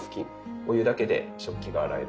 お湯だけで食器が洗えるという。